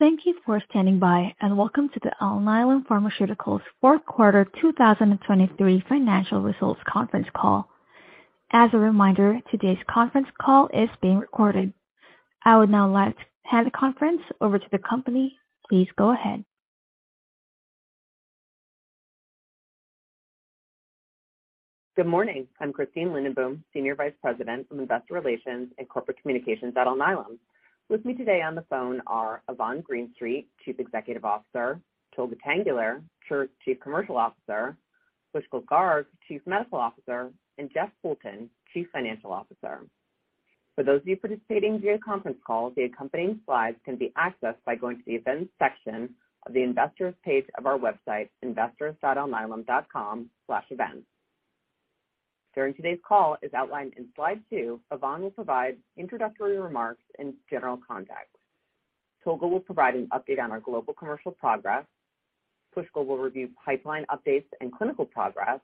Thank you for standing by. Welcome to the Alnylam Pharmaceuticals Fourth Quarter 2023 Financial Results Conference Call. As a reminder, today's conference call is being recorded. I would now like to hand the conference over to the company. Please go ahead. Good morning. I'm Christine Lindenboom, Senior Vice President of Investor Relations and Corporate Communications at Alnylam. With me today on the phone are Yvonne Greenstreet, Chief Executive Officer, Tolga Tanguler, Chief Commercial Officer, Pushkal Garg, Chief Medical Officer, and Jeff Poulton, Chief Financial Officer. For those of you participating via conference call, the accompanying slides can be accessed by going to the events section of the investor's page of our website, investors.alnylam.com/events. During today's call, as outlined in slide two, Yvonne will provide introductory remarks and general context. Tolga will provide an update on our global commercial progress. Pushkal will review pipeline updates and clinical progress.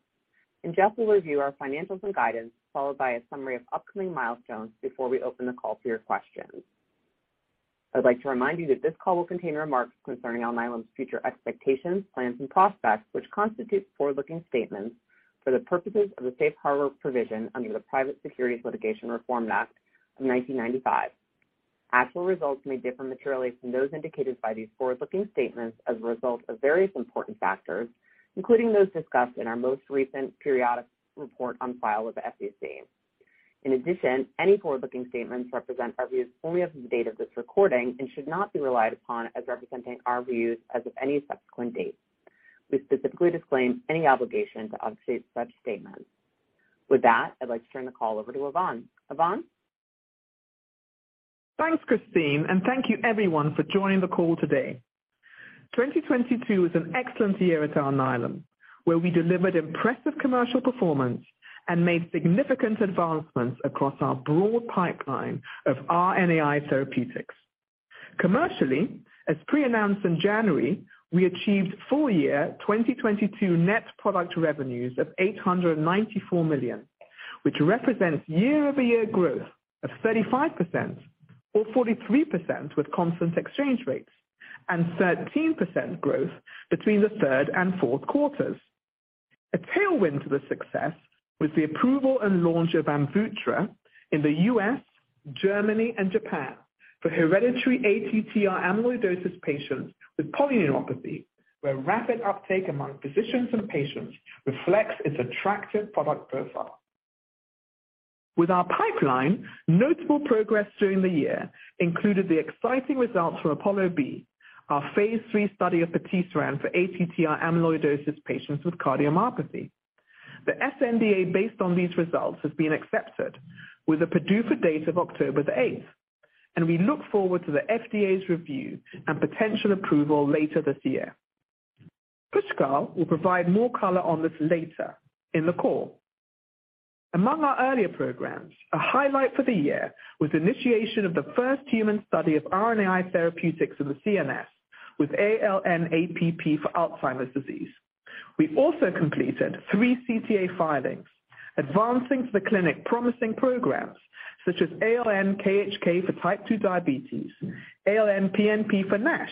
Jeff will review our financials and guidance, followed by a summary of upcoming milestones before we open the call to your questions. I'd like to remind you that this call will contain remarks concerning Alnylam's future expectations, plans and prospects, which constitute forward-looking statements for the purposes of the Safe Harbor provision under the Private Securities Litigation Reform Act of 1995. Actual results may differ materially from those indicated by these forward-looking statements as a result of various important factors, including those discussed in our most recent periodic report on file with the SEC. In addition, any forward-looking statements represent our views only as of the date of this recording and should not be relied upon as representing our views as of any subsequent date. We specifically disclaim any obligation to update such statements. With that, I'd like to turn the call over to Yvonne. Yvonne? Thanks, Christine, and thank you everyone for joining the call today. 2022 was an excellent year at Alnylam, where we delivered impressive commercial performance and made significant advancements across our broad pipeline of RNAi therapeutics. Commercially, as pre-announced in January, we achieved full year 2022 net product revenues of $894 million, which represents year-over-year growth of 35% or 43% with constant exchange rates, and 13% growth between the third and fourth quarters. A tailwind to the success was the approval and launch of AMVUTTRA in the U.S., Germany and Japan for hereditary ATTR amyloidosis patients with polyneuropathy, where rapid uptake among physicians and patients reflects its attractive product profile. With our pipeline, notable progress during the year included the exciting results for APOLLO-B, our Phase III study of patisiran for ATTR amyloidosis patients with cardiomyopathy. The sNDA based on these results has been accepted with a PDUFA date of October the 8th, and we look forward to the FDA's review and potential approval later this year. Pushkal will provide more color on this later in the call. Among our earlier programs, a highlight for the year was initiation of the first human study of RNAi therapeutics in the CNS with ALN-APP for Alzheimer's disease. We also completed three CTA filings, advancing to the clinic promising programs such as ALN-KHK for Type 2 diabetes, ALN-PNP for NASH,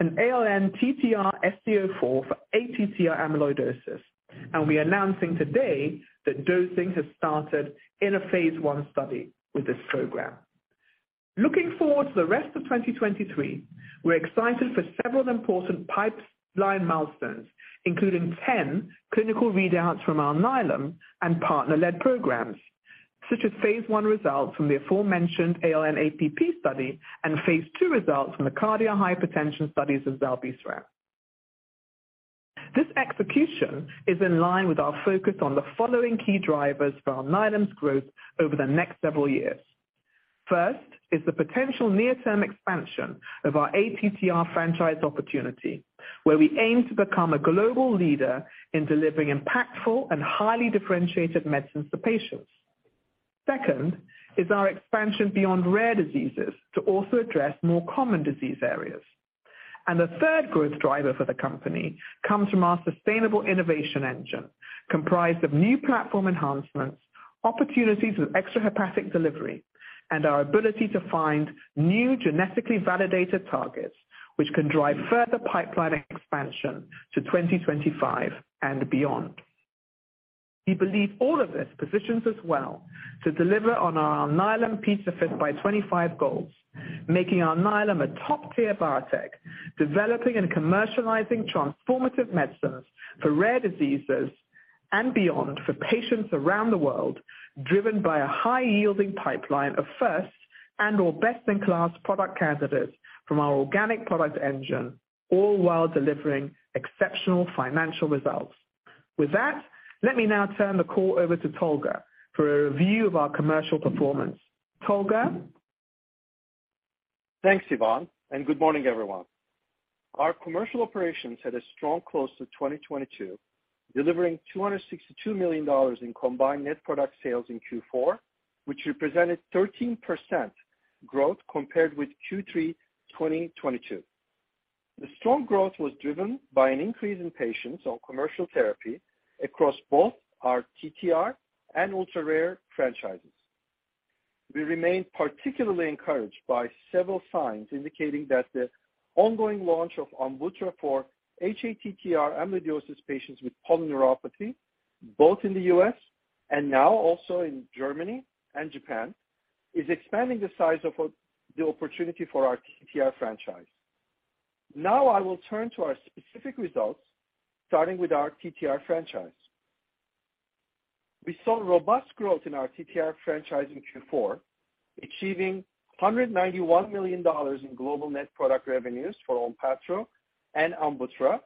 and ALN-TTRsc04 for ATTR amyloidosis, and we are announcing today that dosing has started in a phase I study with this program. Looking forward to the rest of 2023, we're excited for several important pipeline milestones, including 10 clinical readouts from Alnylam and partner-led programs, such as phase I results from the aforementioned ALN-APP study and phase II results from the KARDIA hypertension studies of zilebesiran. This execution is in line with our focus on the following key drivers for Alnylam's growth over the next several years. First is the potential near-term expansion of our ATTR franchise opportunity, where we aim to become a global leader in delivering impactful and highly differentiated medicines to patients. Second is our expansion beyond rare diseases to also address more common disease areas. The third growth driver for the company comes from our sustainable innovation engine, comprised of new platform enhancements, opportunities with extrahepatic delivery, and our ability to find new genetically validated targets which can drive further pipeline expansion to 2025 and beyond. We believe all of this positions us well to deliver on our Alnylam P5x25 by 2025 goals, making Alnylam a top-tier biotech, developing and commercializing transformative medicines for rare diseases and beyond for patients around the world, driven by a high-yielding pipeline of first and or best-in-class product candidates from our organic product engine, all while delivering exceptional financial results. Let me now turn the call over to Tolga for a review of our commercial performance. Tolga? Thanks, Yvonne, good morning, everyone. Our commercial operations had a strong close to 2022, delivering $262 million in combined net product sales in Q4, which represented 13% growth compared with Q3 2022. The strong growth was driven by an increase in patients on commercial therapy across both our TTR and ultra-rare franchises. We remain particularly encouraged by several signs indicating that the ongoing launch of AMVUTTRA for hATTR amyloidosis patients with polyneuropathy, both in the U.S. and now also in Germany and Japan, is expanding the size of the opportunity for our TTR franchise. I will turn to our specific results, starting with our TTR franchise. We saw robust growth in our TTR franchise in Q4, achieving $191 million in global net product revenues for ONPATTRO and AMVUTTRA,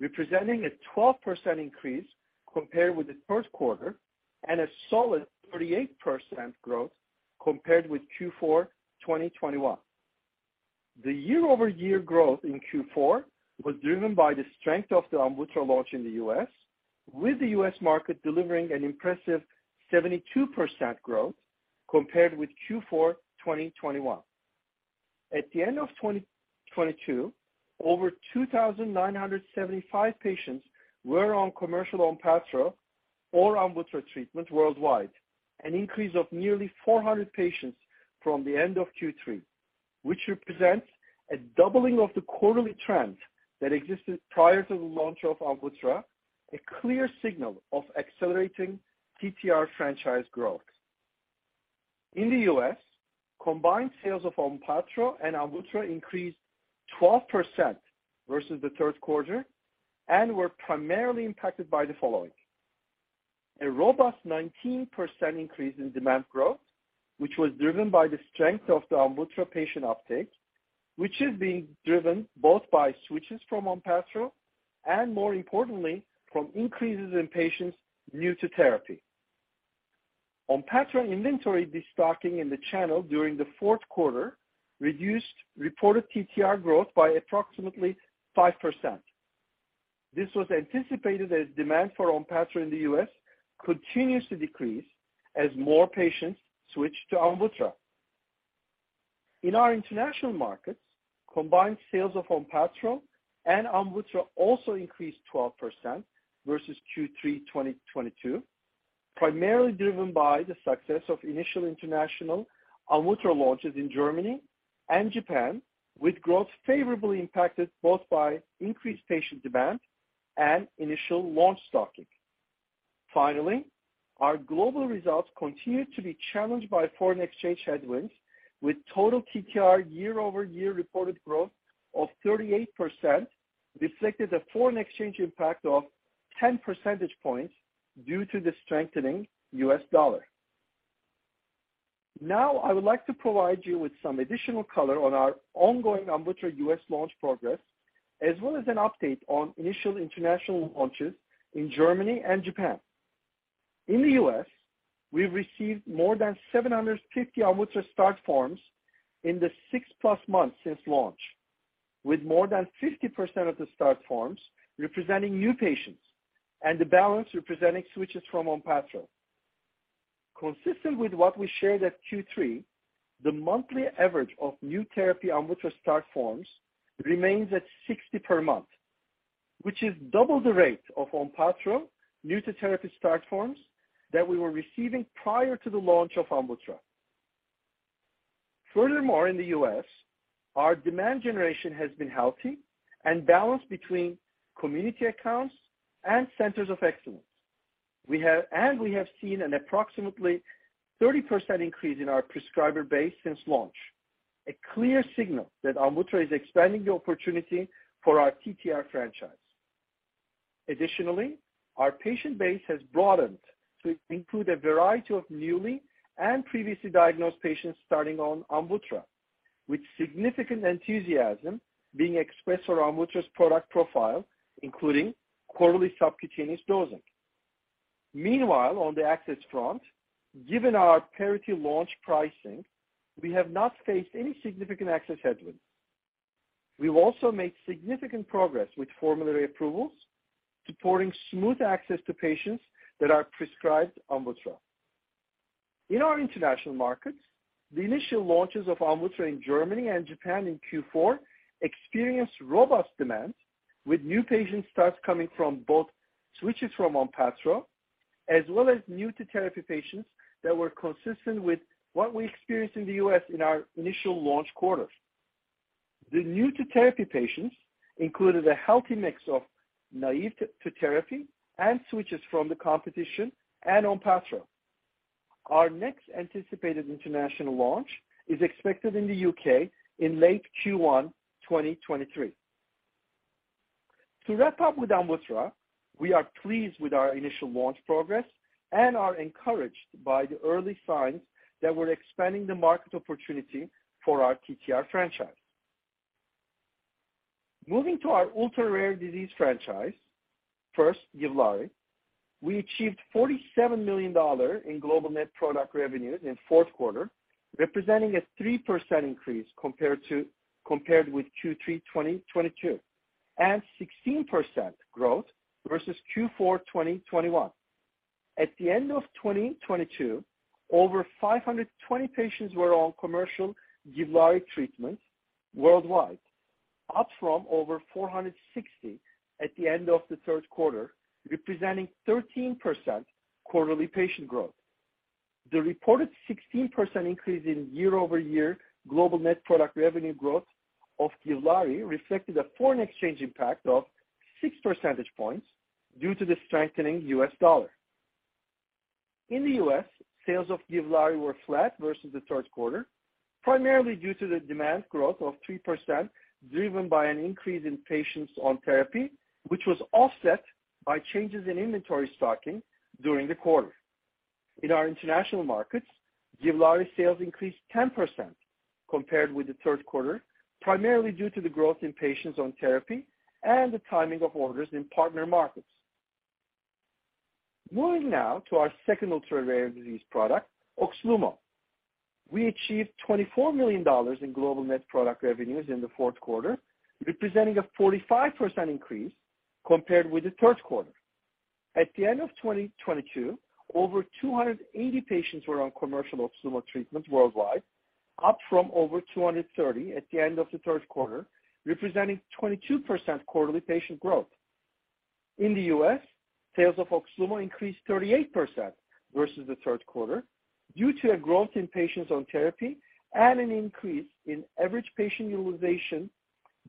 representing a 12% increase compared with the first quarter and a solid 38% growth compared with Q4, 2021. The year-over-year growth in Q4 was driven by the strength of the AMVUTTRA launch in the U.S., with the U.S. market delivering an impressive 72% growth compared with Q4, 2021. At the end of 2022, over 2,975 patients were on commercial ONPATTRO or AMVUTTRA treatment worldwide, an increase of nearly 400 patients from the end of Q3, which represents a doubling of the quarterly trend that existed prior to the launch of AMVUTTRA, a clear signal of accelerating TTR franchise growth. In the U.S., combined sales of ONPATTRO and AMVUTTRA increased 12% versus the third quarter and were primarily impacted by the following. A robust 19% increase in demand growth, which was driven by the strength of the AMVUTTRA patient uptake, which is being driven both by switches from ONPATTRO and more importantly, from increases in patients new to therapy. ONPATTRO inventory destocking in the channel during the fourth quarter reduced reported TTR growth by approximately 5%. This was anticipated as demand for ONPATTRO in the U.S. continues to decrease as more patients switch to AMVUTTRA. In our international markets, combined sales of ONPATTRO and AMVUTTRA also increased 12% versus Q3, 2022, primarily driven by the success of initial international AMVUTTRA launches in Germany and Japan, with growth favorably impacted both by increased patient demand and initial launch stocking. Our global results continued to be challenged by foreign exchange headwinds, with total TTR year-over-year reported growth of 38% reflected a foreign exchange impact of 10 percentage points due to the strengthening U.S. dollar. I would like to provide you with some additional color on our ongoing AMVUTTRA U.S. launch progress, as well as an update on initial international launches in Germany and Japan. In the U.S., we've received more than 750 AMVUTTRA start forms in the six-plus months since launch, with more than 50% of the start forms representing new patients and the balance representing switches from ONPATTRO. Consistent with what we shared at Q3, the monthly average of new therapy AMVUTTRA start forms remains at 60 per month, which is double the rate of ONPATTRO new to therapy start forms that we were receiving prior to the launch of AMVUTTRA. Furthermore, in the U.S., our demand generation has been healthy and balanced between community accounts and centers of excellence. We have seen an approximately 30% increase in our prescriber base since launch, a clear signal that AMVUTTRA is expanding the opportunity for our TTR franchise. Additionally, our patient base has broadened to include a variety of newly and previously diagnosed patients starting on AMVUTTRA, with significant enthusiasm being expressed for AMVUTTRA's product profile, including quarterly subcutaneous dosing. Meanwhile, on the access front, given our parity launch pricing, we have not faced any significant access headwinds. We've also made significant progress with formulary approvals, supporting smooth access to patients that are prescribed AMVUTTRA. In our international markets, the initial launches of AMVUTTRA in Germany and Japan in Q4 experienced robust demand, with new patient starts coming from both switches from ONPATTRO, as well as new to therapy patients that were consistent with what we experienced in the U.S. in our initial launch quarters. The new to therapy patients included a healthy mix of naive to therapy and switches from the competition and ONPATTRO. Our next anticipated international launch is expected in the U.K. in late Q1, 2023. To wrap up with AMVUTTRA, we are pleased with our initial launch progress and are encouraged by the early signs that we're expanding the market opportunity for our TTR franchise. Moving to our ultra-rare disease franchise, first, GIVLAARI. We achieved $47 million in global net product revenues in Q4, representing a 3% increase compared with Q3 2022, and 16% growth versus Q4 2021. At the end of 2022, over 520 patients were on commercial GIVLAARI treatment worldwide. Up from over 460 at the end of Q3, representing 13% quarterly patient growth. The reported 16% increase in year-over-year global net product revenue growth of GIVLAARI reflected a foreign exchange impact of 6 percentage points due to the strengthening US dollar. In the U.S., sales of GIVLAARI were flat versus Q3, primarily due to the demand growth of 3% driven by an increase in patients on therapy, which was offset by changes in inventory stocking during the quarter. In our international markets, GIVLAARI sales increased 10% compared with the third quarter, primarily due to the growth in patients on therapy and the timing of orders in partner markets. Moving now to our second ultra-rare disease product, OXLUMO. We achieved $24 million in global net product revenues in the fourth quarter, representing a 45% increase compared with the third quarter. At the end of 2022, over 280 patients were on commercial OXLUMO treatments worldwide, up from over 230 at the end of the third quarter, representing 22% quarterly patient growth. In the U.S., sales of OXLUMO increased 38% versus the third quarter due to a growth in patients on therapy and an increase in average patient utilization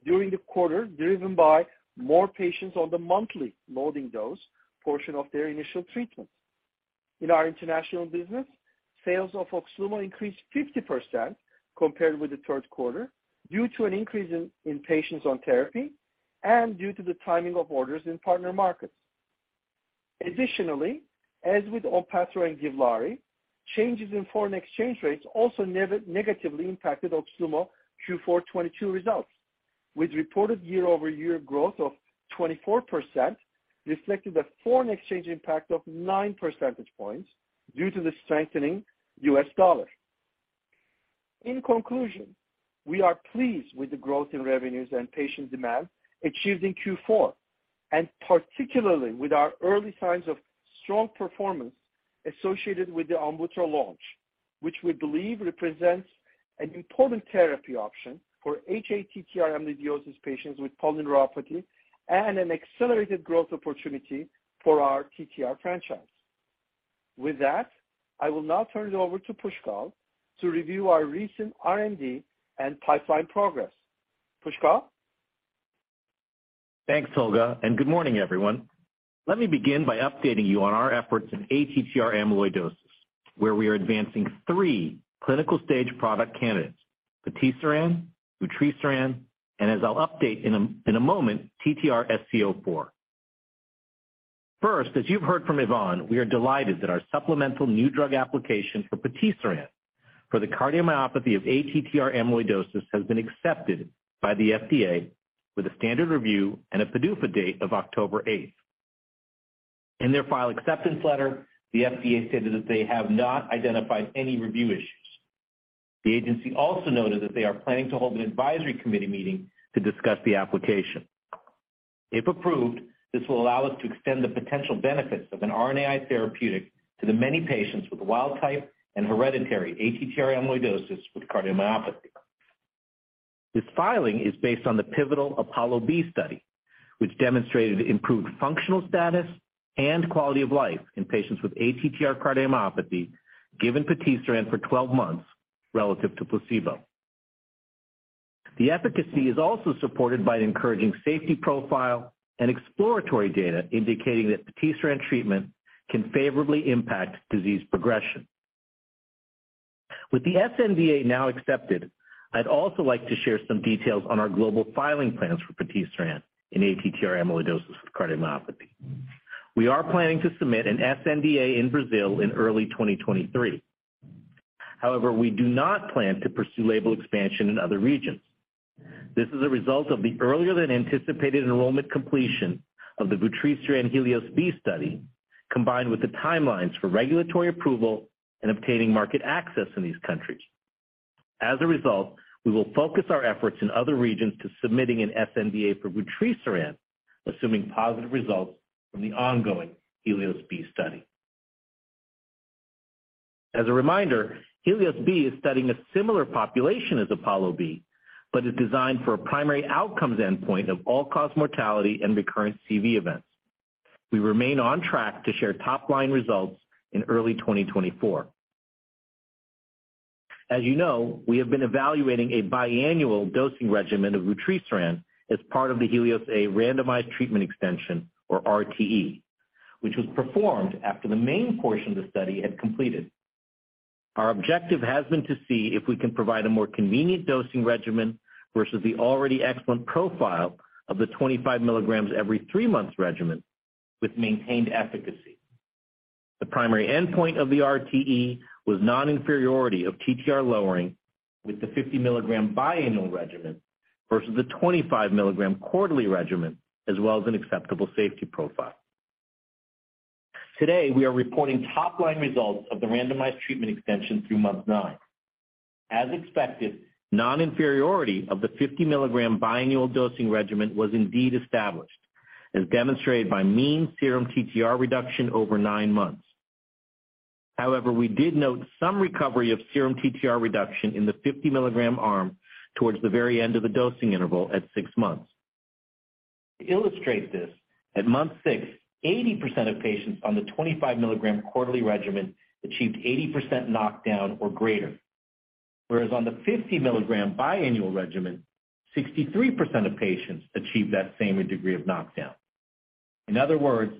during the quarter, driven by more patients on the monthly loading dose portion of their initial treatment. In our international business, sales of OXLUMO increased 50% compared with the third quarter due to an increase in patients on therapy and due to the timing of orders in partner markets. Additionally, as with ONPATTRO and GIVLAARI, changes in foreign exchange rates also negatively impacted OXLUMO Q4 2022 results, with reported year-over-year growth of 24% reflecting the foreign exchange impact of 9 Percentage points due to the strengthening U.S. dollar. In conclusion, we are pleased with the growth in revenues and patient demand achieved in Q4, and particularly with our early signs of strong performance associated with the ONPATTRO launch, which we believe represents an important therapy option for hATTR amyloidosis patients with polyneuropathy and an accelerated growth opportunity for our TTR franchise. With that, I will now turn it over to Pushkal to review our recent R&D and pipeline progress. Pushkal? Thanks, Tolga, and good morning, everyone. Let me begin by updating you on our efforts in ATTR amyloidosis, where we are advancing three clinical stage product candidates, patisiran, vutrisiran, and as I'll update in a moment, TTRsc04. First, as you've heard from Yvonne, we are delighted that our supplemental new drug application for patisiran for the cardiomyopathy of ATTR amyloidosis has been accepted by the FDA with a standard review and a PDUFA date of October eighth. In their file acceptance letter, the FDA stated that they have not identified any review issues. The agency also noted that they are planning to hold an advisory committee meeting to discuss the application. If approved, this will allow us to extend the potential benefits of an RNAi therapeutic to the many patients with wild type and hereditary ATTR amyloidosis with cardiomyopathy. This filing is based on the pivotal APOLLO-B study, which demonstrated improved functional status and quality of life in patients with ATTR cardiomyopathy given patisiran for 12 months relative to placebo. The efficacy is also supported by an encouraging safety profile and exploratory data indicating that patisiran treatment can favorably impact disease progression. With the sNDA now accepted, I'd also like to share some details on our global filing plans for patisiran in ATTR amyloidosis with cardiomyopathy. We are planning to submit an sNDA in Brazil in early 2023. However, we do not plan to pursue label expansion in other regions. This is a result of the earlier than anticipated enrollment completion of the vutrisiran HELIOS-B study, combined with the timelines for regulatory approval and obtaining market access in these countries. We will focus our efforts in other regions to submitting an sNDA for vutrisiran, assuming positive results from the ongoing HELIOS-B study. As a reminder, HELIOS-B is studying a similar population as APOLLO-B, but is designed for a primary outcomes endpoint of all-cause mortality and recurrent CV events. We remain on track to share top-line results in early 2024. As you know, we have been evaluating a biannual dosing regimen of vutrisiran as part of the HELIOS-A randomized treatment extension or RTE, which was performed after the main portion of the study had completed. Our objective has been to see if we can provide a more convenient dosing regimen versus the already excellent profile of the 25 milligrams every three months regimen with maintained efficacy. The primary endpoint of the RTE was non-inferiority of TTR lowering with the 50-milligram biannual regimen versus the 25 milligrams quarterly regimen, as well as an acceptable safety profile. Today, we are reporting top-line results of the randomized treatment extension through month nine. As expected, non-inferiority of the 50-milligram biannual dosing regimen was indeed established, as demonstrated by mean serum TTR reduction over nine months. We did note some recovery of serum TTR reduction in the 50-milligram arm towards the very end of the dosing interval at six months. To illustrate this, at month 6, 80% of patients on the 25 milligram quarterly regimen achieved 80% knockdown or greater, whereas on the 50 milligram biannual regimen, 63% of patients achieved that same degree of knockdown. In other words,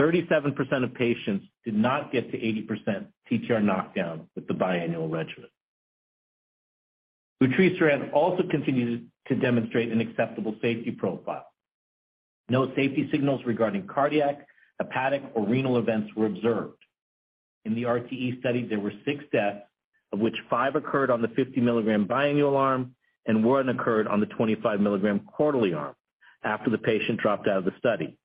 37% of patients did not get to 80% TTR knockdown with the biannual regimen. Vutrisiran also continued to demonstrate an acceptable safety profile. No safety signals regarding cardiac, hepatic or renal events were observed. In the RTE study, there were six deaths, of which five occurred on the 50-milligram biannual arm and one occurred on the 25 milligram quarterly arm after the patient dropped out of the study.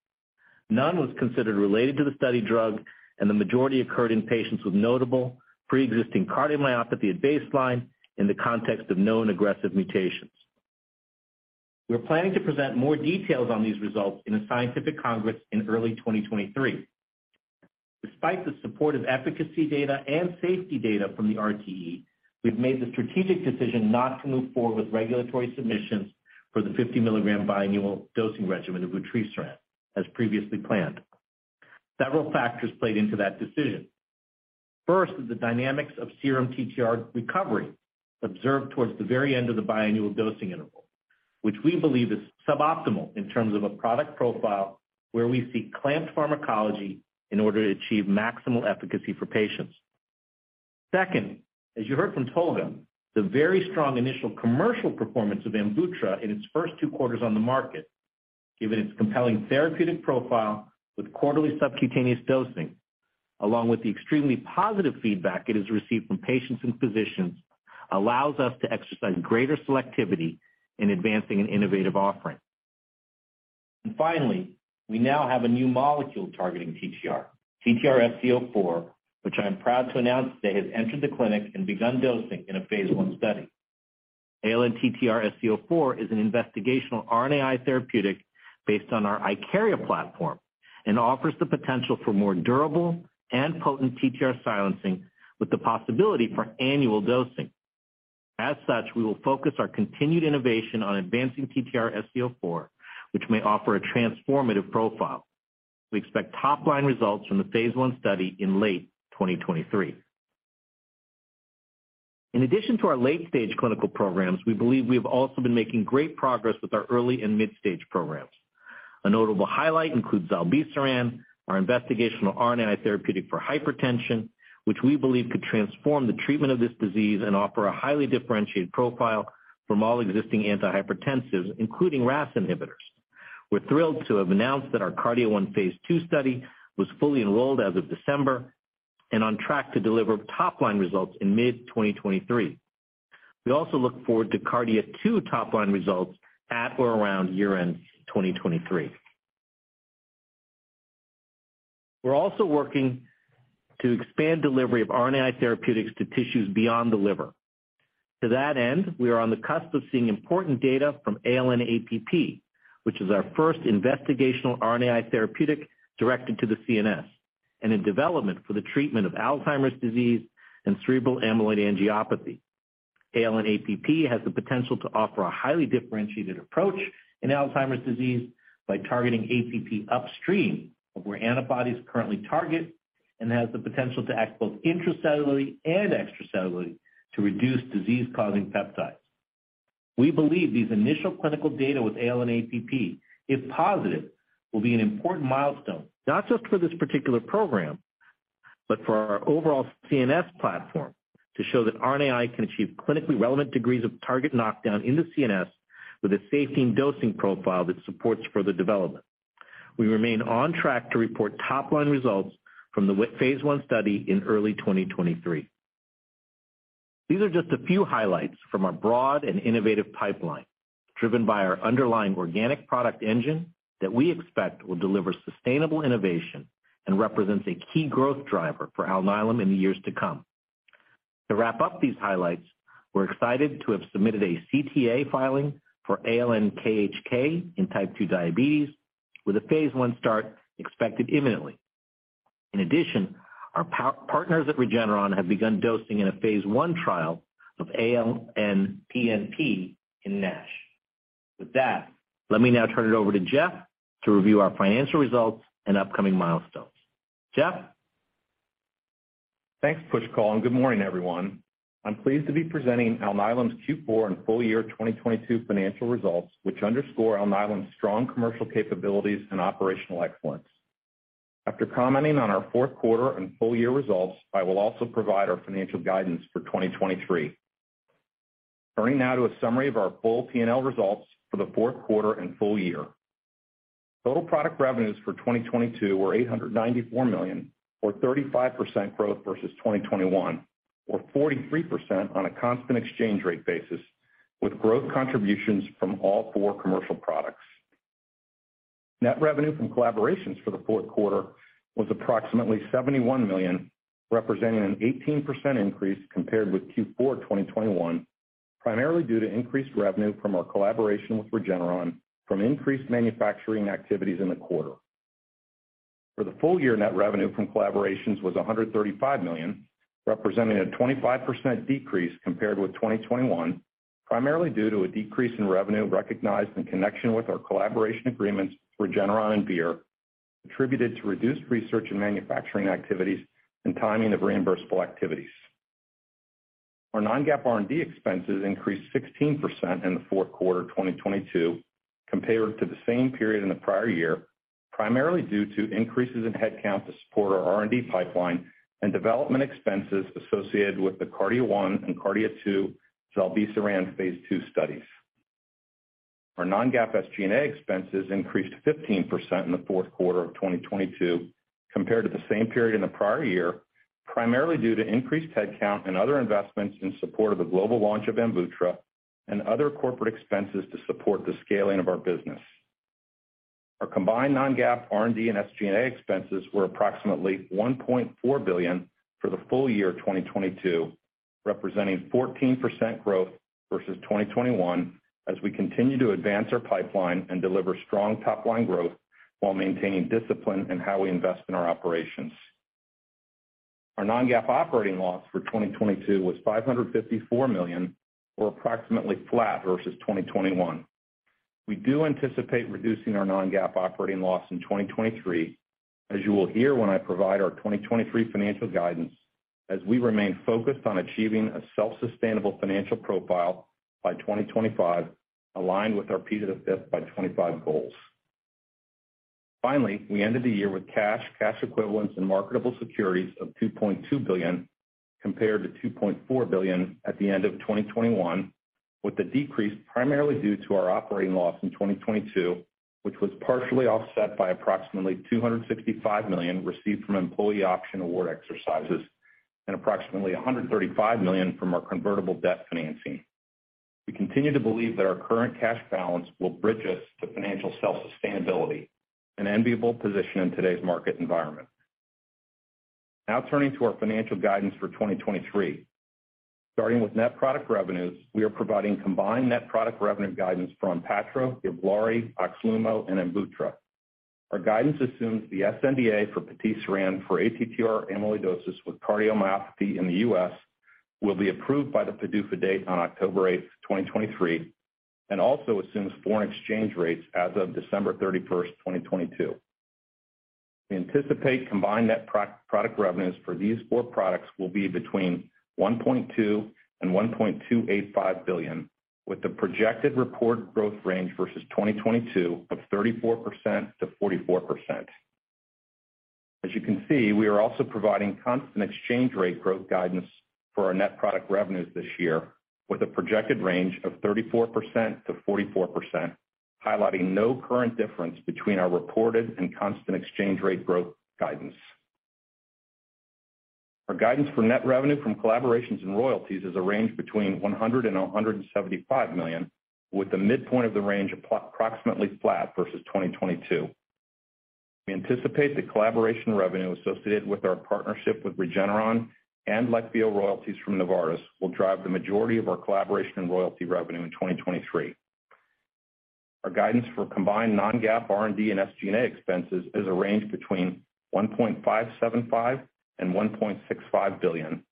None was considered related to the study drug, and the majority occurred in patients with notable pre-existing cardiomyopathy at baseline in the context of known aggressive mutations. We are planning to present more details on these results in a scientific congress in early 2023. Despite the support of efficacy data and safety data from the RTE, we've made the strategic decision not to move forward with regulatory submissions for the 50-milligram biannual dosing regimen of vutrisiran as previously planned. Several factors played into that decision. First is the dynamics of serum TTR recovery observed towards the very end of the biannual dosing interval, which we believe is suboptimal in terms of a product profile where we see clamped pharmacology in order to achieve maximal efficacy for patients. Second, as you heard from Tolga, the very strong initial commercial performance of AMVUTTRA in its first two quarters on the market, given its compelling therapeutic profile with quarterly subcutaneous dosing, along with the extremely positive feedback it has received from patients and physicians, allows us to exercise greater selectivity in advancing an innovative offering. Finally, we now have a new molecule targeting TTR-sc04, which I am proud to announce today has entered the clinic and begun dosing in a phase I study. ALN-TTRsc04 is an investigational RNAi therapeutic based on our Icaria platform and offers the potential for more durable and potent TTR silencing with the possibility for annual dosing. As such, we will focus our continued innovation on advancing TTRsc04, which may offer a transformative profile. We expect top line results from the phase I study in late 2023. In addition to our late-stage clinical programs, we believe we have also been making great progress with our early and mid-stage programs. A notable highlight includes zilebesiran, our investigational RNAi therapeutic for hypertension, which we believe could transform the treatment of this disease and offer a highly differentiated profile from all existing antihypertensives, including RAS inhibitors. We're thrilled to have announced that our KARDIA-1 phase II study was fully enrolled as of December and on track to deliver top line results in mid-2023. We also look forward to KARDIA-2 top line results at or around year-end 2023. We're also working to expand delivery of RNAi therapeutics to tissues beyond the liver. To that end, we are on the cusp of seeing important data from ALN-APP, which is our first investigational RNAi therapeutic directed to the CNS, and in development for the treatment of Alzheimer's disease and cerebral amyloid angiopathy. ALN-APP has the potential to offer a highly differentiated approach in Alzheimer's disease by targeting APP upstream of where antibodies currently target and has the potential to act both intracellularly and extracellularly to reduce disease-causing peptides. We believe these initial clinical data with ALN-APP, if positive, will be an important milestone, not just for this particular program, but for our overall CNS platform to show that RNAi can achieve clinically relevant degrees of target knockdown in the CNS with a safety and dosing profile that supports further development. We remain on track to report top line results from the phase I study in early 2023. These are just a few highlights from our broad and innovative pipeline, driven by our underlying organic product engine that we expect will deliver sustainable innovation and represents a key growth driver for Alnylam in the years to come. To wrap up these highlights, we're excited to have submitted a CTA filing for ALN-KHK in Type 2 diabetes with a phase I start expected imminently. Our partners at Regeneron have begun dosing in a phase I trial of ALN-PNP in NASH. Let me now turn it over to Jeff to review our financial results and upcoming milestones. Jeff? Thanks, Pushkal. Good morning, everyone. I'm pleased to be presenting Alnylam's Q4 and full year 2022 financial results, which underscore Alnylam's strong commercial capabilities and operational excellence. After commenting on our fourth quarter and full year results, I will also provide our financial guidance for 2023. Turning now to a summary of our full P&L results for the fourth quarter and full year. Total product revenues for 2022 were $894 million or 35% growth versus 2021, or 43% on a constant exchange rate basis, with growth contributions from all four commercial products. Net revenue from collaborations for the fourth quarter was approximately $71 million, representing an 18% increase compared with Q4 2021. Primarily due to increased revenue from our collaboration with Regeneron from increased manufacturing activities in the quarter. For the full year, net revenue from collaborations was $135 million, representing a 25% decrease compared with 2021, primarily due to a decrease in revenue recognized in connection with our collaboration agreements with Regeneron and Vir, attributed to reduced research and manufacturing activities and timing of reimbursable activities. Our non-GAAP R&D expenses increased 16% in the fourth quarter of 2022 compared to the same period in the prior year, primarily due to increases in headcount to support our R&D pipeline and development expenses associated with the KARDIA-1 and KARDIA-2 zilebesiran phase II studies. Our non-GAAP SG&A expenses increased 15% in the fourth quarter of 2022 compared to the same period in the prior year, primarily due to increased headcount and other investments in support of the global launch of AMVUTTRA and other corporate expenses to support the scaling of our business. Our combined non-GAAP R&D and SG&A expenses were approximately $1.4 billion for the full year of 2022, representing 14% growth versus 2021 as we continue to advance our pipeline and deliver strong top-line growth while maintaining discipline in how we invest in our operations. Our non-GAAP operating loss for 2022 was $554 million or approximately flat versus 2021. We do anticipate reducing our non-GAAP operating loss in 2023, as you will hear when I provide our 2023 financial guidance as we remain focused on achieving a self-sustainable financial profile by 2025, aligned with our P5x25 goals. Finally, we ended the year with cash equivalents and marketable securities of $2.2 billion compared to $2.4 billion at the end of 2021, with the decrease primarily due to our operating loss in 2022, which was partially offset by approximately $255 million received from employee option award exercises and approximately $135 million from our convertible debt financing. We continue to believe that our current cash balance will bridge us to financial self-sustainability, an enviable position in today's market environment. Now turning to our financial guidance for 2023. Starting with net product revenues, we are providing combined net product revenue guidance for ONPATTRO, GIVLAARI, OXLUMO and AMVUTTRA. Our guidance assumes the sNDA for patisiran for ATTR amyloidosis with cardiomyopathy in the U.S. will be approved by the PDUFA date on October 8, 2023. Also assumes foreign exchange rates as of December 31st, 2022. We anticipate combined net pro-product revenues for these four products will be between $1.2 billion and $1.285 billion, with the projected reported growth range versus 2022 of 34%-44%. As you can see, we are also providing constant exchange rate growth guidance for our net product revenues this year with a projected range of 34%-44%, highlighting no current difference between our reported and constant exchange rate growth guidance. Our guidance for net revenue from collaborations and royalties is a range between $100 million and $175 million, with the midpoint of the range approximately flat versus 2022. We anticipate the collaboration revenue associated with our partnership with Regeneron and Leqvio royalties from Novartis will drive the majority of our collaboration and royalty revenue in 2023. Our guidance for combined non-GAAP R&D and SG&A expenses is a range between $1.575 billion and $1.65 billion.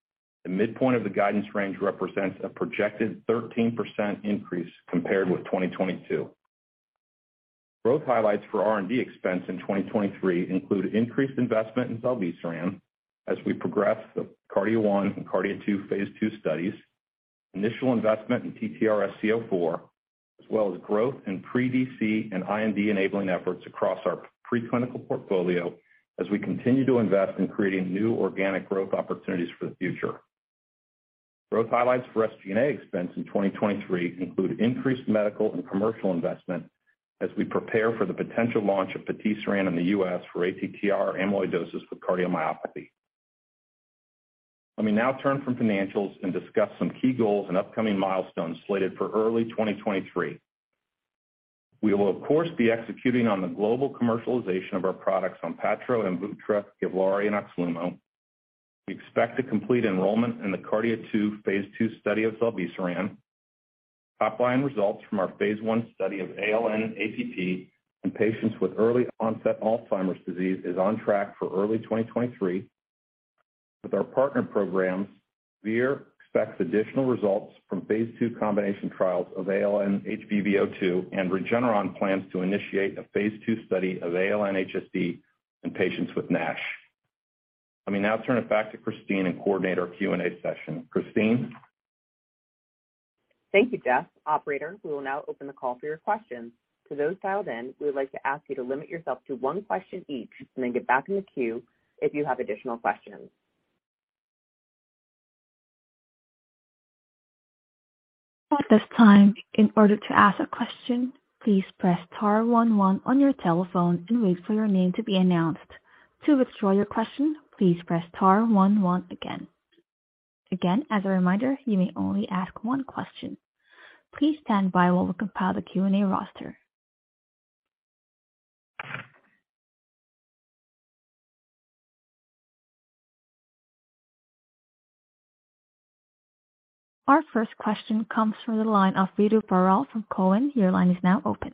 The midpoint of the guidance range represents a projected 13% increase compared with 2022. Growth highlights for R&D expense in 2023 include increased investment in zilebesiran as we progress the KARDIA-1 and KARDIA-2 phase II studies, initial investment in ALN-TTRsc04, as well as growth in pre-DC and IND-enabling efforts across our preclinical portfolio as we continue to invest in creating new organic growth opportunities for the future. Growth highlights for SG&A expense in 2023 include increased medical and commercial investment as we prepare for the potential launch of patisiran in the U.S. for ATTR amyloidosis with cardiomyopathy. Let me now turn from financials and discuss some key goals and upcoming milestones slated for early 2023. We will of course be executing on the global commercialization of our products ONPATTRO, AMVUTTRA, GIVLAARI and OXLUMO. We expect to complete enrollment in the KARDIA-2 phase II study of zilebesiran. Top-line results from our phase I study of ALN-APP in patients with early onset Alzheimer's disease is on track for early 2023. With our partner programs, Vir expects additional results from phase II combination trials of ALN-HBV02 and Regeneron plans to initiate a phase II study of ALN-HSD in patients with NASH. Let me now turn it back to Christine and coordinate our Q&A session. Christine? Thank you, Jeff. Operator, we will now open the call for your questions. To those dialed in, we would like to ask you to limit yourself to one question each and then get back in the queue if you have additional questions. At this time, in order to ask a question, please press star one one on your telephone and wait for your name to be announced. To withdraw your question, please press star one one again. Again, as a reminder, you may only ask one question. Please stand by while we compile the Q&A roster. Our first question comes from the line of Ritu Baral from Cowen. Your line is now open.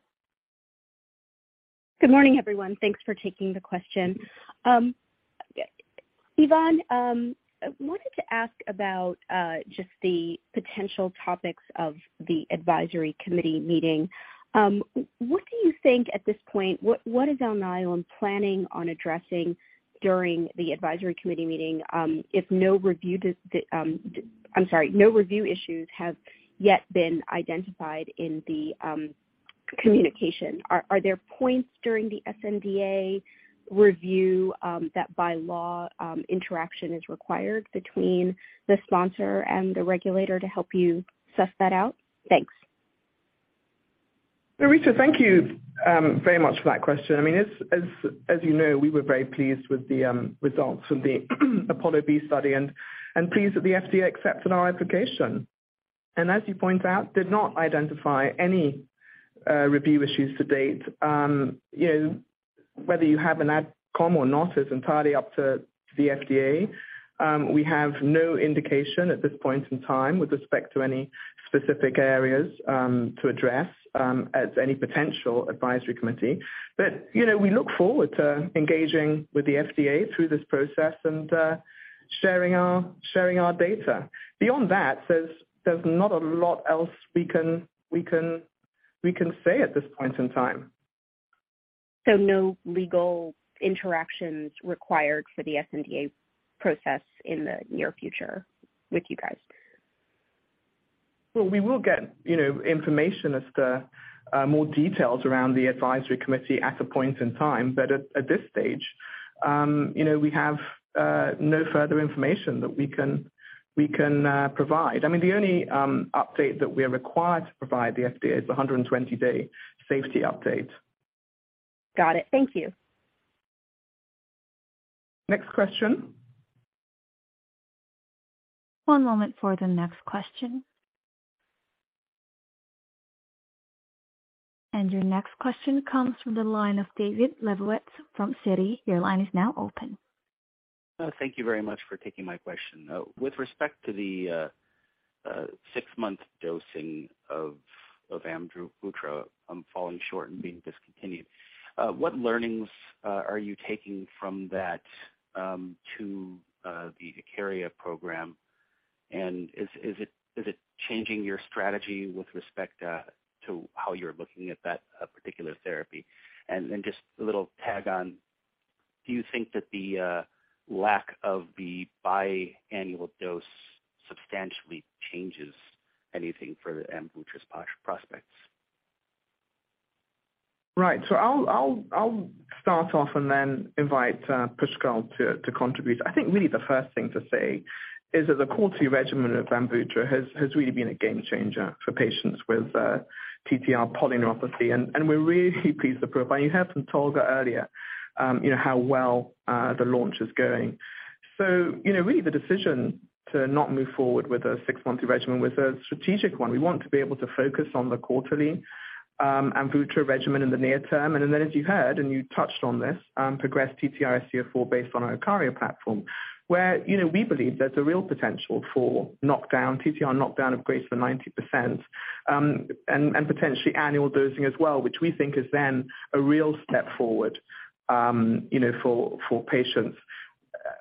Good morning, everyone. Thanks for taking the question. Yvonne, I wanted to ask about just the potential topics of the advisory committee meeting. What do you think at this point, what is Alnylam planning on addressing during the advisory committee meeting, if no review issues have yet been identified in the communication? Are there points during the sNDA review that by law, interaction is required between the sponsor and the regulator to help you suss that out? Thanks. Ritu, thank you very much for that question. I mean, as you know, we were very pleased with the results from the APOLLO-B study and pleased that the FDA accepted our application. As you point out, did not identify any review issues to date. You know, whether you have an AdCom or not is entirely up to the FDA. We have no indication at this point in time with respect to any specific areas to address as any potential advisory committee. You know, we look forward to engaging with the FDA through this process and sharing our data. Beyond that, there's not a lot else we can say at this point in time. No legal interactions required for the sNDA process in the near future with you guys? We will get, you know, information as to more details around the advisory committee at a point in time. At this stage, you know, we have no further information that we can provide. The only update that we are required to provide the FDA is a 120-day safety update. Got it. Thank you. Next question. One moment for the next question. Your next question comes from the line of David Lebowitz from Citi. Your line is now open. Thank you very much for taking my question. With respect to the six-month dosing of AMVUTTRA, falling short and being discontinued, what learnings are you taking from that to the Icaria program? Is it changing your strategy with respect to how you're looking at that particular therapy? Just a little tag on, do you think that the lack of the biannual dose substantially changes anything for AMVUTTRA's prospects? Right. I'll start off and then invite Pushkal to contribute. I think really the first thing to say is that the quarterly regimen of AMVUTTRA has really been a game changer for patients with TTR polyneuropathy, and we're really pleased with the profile. You heard from Tolga earlier, you know, how well the launch is going. You know, really the decision to not move forward with a six-monthly regimen was a strategic one. We want to be able to focus on the quarterly AMVUTTRA regimen in the near term. As you heard, and you touched on this, progress TTR-sc04 based on our Icaria platform, where, you know, we believe there's a real potential for knockdown, TTR knockdown of greater than 90%, and potentially annual dosing as well, which we think is then a real step forward, you know, for patients.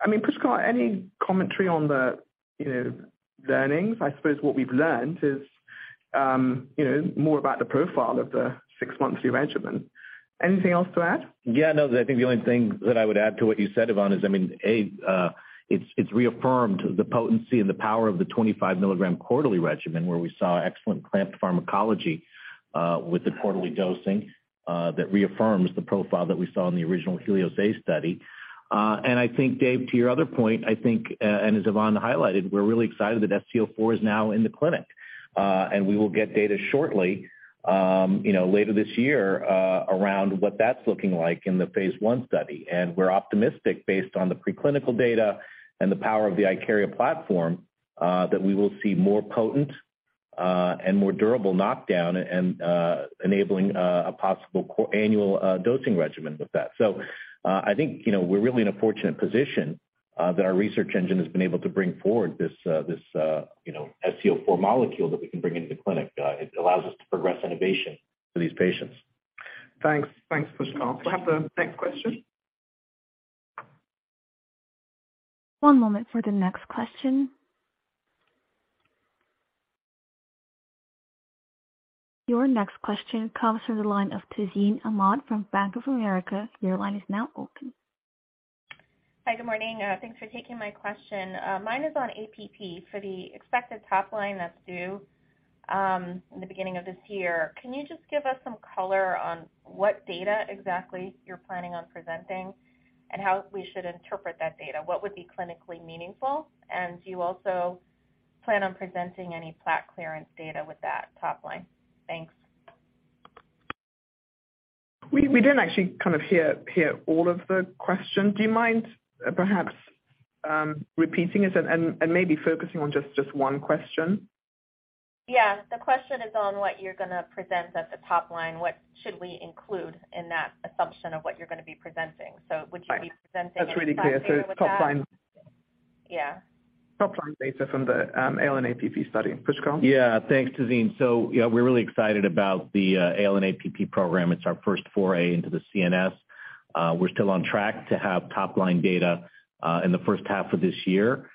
I mean, Pushkal, any commentary on the, you know, learnings? I suppose what we've learnt is, you know, more about the profile of the six-monthly regimen. Anything else to add? No. I think the only thing that I would add to what you said, Yvonne, is A, it's reaffirmed the potency and the power of the 25 milligram quarterly regimen where we saw excellent clamped pharmacology with the quarterly dosing that reaffirms the profile that we saw in the original HELIOS-A study. I think, Dave, to your other point, I think, and as Yvonne highlighted, we're really excited that ALN-TTRsc04 is now in the clinic. We will get data shortly, you know, later this year, around what that's looking like in the phase I study. We're optimistic based on the preclinical data and the power of the Icaria platform that we will see more potent and more durable knockdown and enabling a possible annual dosing regimen with that. I think, you know, we're really in a fortunate position, that our research engine has been able to bring forward this, you know, sc04 molecule that we can bring into the clinic. It allows us to progress innovation for these patients. Thanks. Thanks, Pushkal. Can I have the next question? One moment for the next question. Your next question comes from the line of Tazeen Ahmad from Bank of America. Your line is now open. Hi, good morning. Thanks for taking my question. Mine is on APP for the expected top line that's due, in the beginning of this year. Can you just give us some color on what data exactly you're planning on presenting and how we should interpret that data? What would be clinically meaningful? Do you also plan on presenting any plaque clearance data with that top line? Thanks. We didn't actually kind of hear all of the question. Do you mind perhaps, repeating it and maybe focusing on just one question? Yeah. The question is on what you're gonna present at the top line. What should we include in that assumption of what you're gonna be presenting? Would you be presenting any data with that? That's really clear. Yeah. Top line data from the ALN-APP study. Pushkal? Yeah, thanks, Tazeen. Yeah, we're really excited about the ALN-APP program. It's our first foray into the CNS. We're still on track to have top-line data in the first half of this year.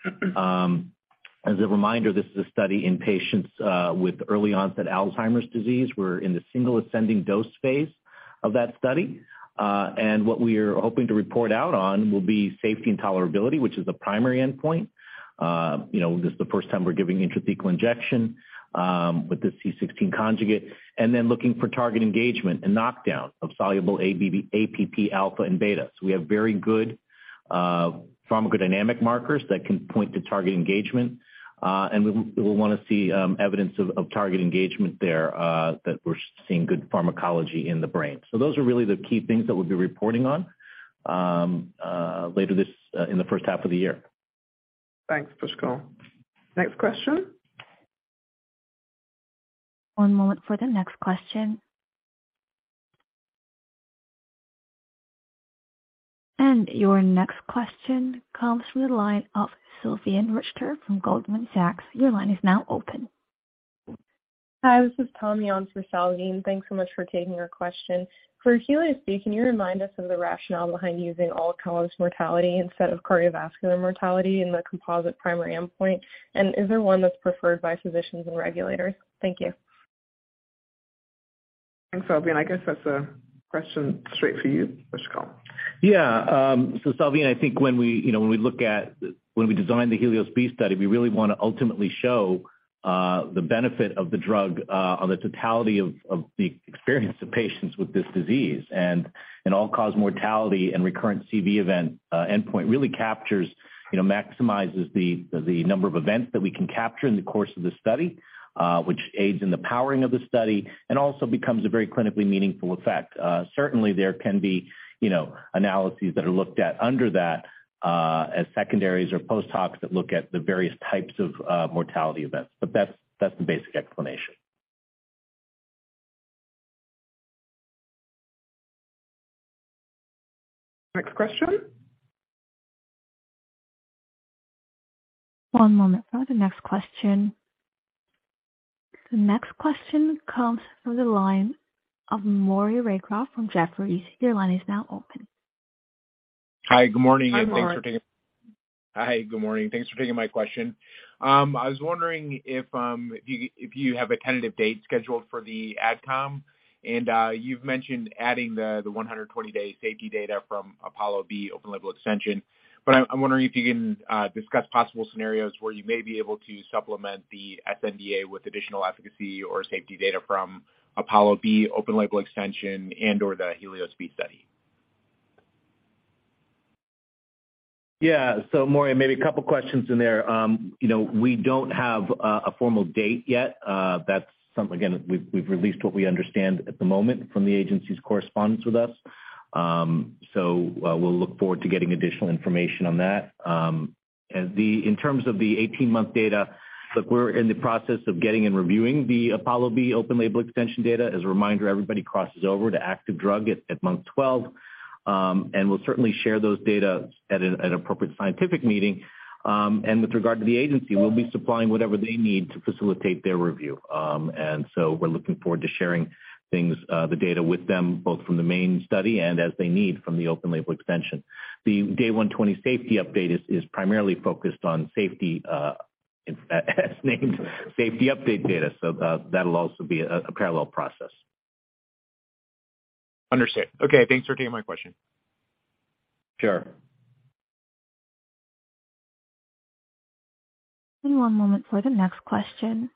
As a reminder, this is a study in patients with early-onset Alzheimer's disease. We're in the single ascending dose phase of that study. What we are hoping to report out on will be safety and tolerability, which is the primary endpoint. You know, this is the first time we're giving intrathecal injection with the C16 conjugate. Looking for target engagement and knockdown of soluble APP alpha and beta. We have very good pharmacodynamic markers that can point to target engagement, and we wanna see evidence of target engagement there that we're seeing good pharmacology in the brain. Those are really the key things that we'll be reporting on, later this, in the first half of the year. Thanks, Pushkal. Next question. One moment for the next question. Your next question comes from the line of Salveen Richter from Goldman Sachs. Your line is now open. Hi, this is Tony on for Salveen. Thanks so much for taking our question. For HELIOS-B, can you remind us of the rationale behind using all-cause mortality instead of cardiovascular mortality in the composite primary endpoint? Is there one that's preferred by physicians and regulators? Thank you. Thanks, Salveen. I guess that's a question straight for you, Pushkal. Salveen, I think when we, you know, when we designed the HELIOS-B study, we really wanna ultimately show the benefit of the drug on the totality of the experience of patients with this disease. An all-cause mortality and recurrent CV event endpoint really captures, you know, maximizes the number of events that we can capture in the course of the study, which aids in the powering of the study and also becomes a very clinically meaningful effect. Certainly there can be, you know, analyses that are looked at under that as secondaries or post hoc that look at the various types of mortality events. That's, that's the basic explanation. Next question. One moment for the next question. The next question comes from the line of Maury Raycroft from Jefferies. Your line is now open. Hi, good morning, and thanks for. Hi, Maury. Hi, good morning. Thanks for taking my question. I was wondering if you have a tentative date scheduled for the AdCom. You've mentioned adding the 120-day safety data from APOLLO-B open label extension. I'm wondering if you can discuss possible scenarios where you may be able to supplement the sNDA with additional efficacy or safety data from APOLLO-B open label extension and/or the HELIOS-B study. Yeah. Maury, maybe a couple questions in there. You know, we don't have a formal date yet. That's something, again, we've released what we understand at the moment from the agency's correspondence with us. We'll look forward to getting additional information on that. In terms of the 18-month data, look, we're in the process of getting and reviewing the APOLLO-B open label extension data. As a reminder, everybody crosses over to active drug at month 12. We'll certainly share those data at an appropriate scientific meeting. With regard to the agency, we'll be supplying whatever they need to facilitate their review. We're looking forward to sharing things, the data with them, both from the main study and as they need from the open label extension. The day 120 safety update is primarily focused on safety, as named safety update data. That'll also be a parallel process. Understood. Okay, thanks for taking my question. Sure. Give me one moment for the next question.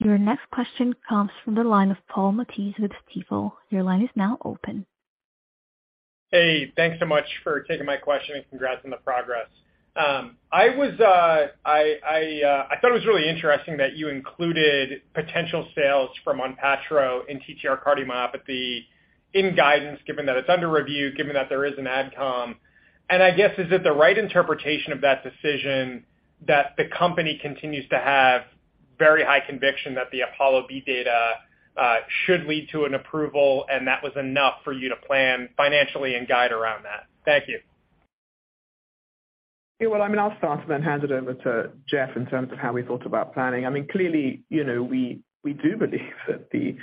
Your next question comes from the line of Paul Matteis with Stifel. Your line is now open. Hey, thanks so much for taking my question, and congrats on the progress. I thought it was really interesting that you included potential sales from ONPATTRO in TTR cardiomyopathy in guidance, given that it's under review, given that there is an AdCom. I guess, is it the right interpretation of that decision that the company continues to have very high conviction that the APOLLO-B data should lead to an approval, and that was enough for you to plan financially and guide around that? Thank you. Well, I mean, I'll start and then hand it over to Jeff in terms of how we thought about planning. I mean, clearly, you know, we do believe that the